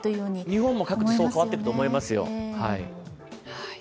日本も各地、そう変わっていると思いますよ。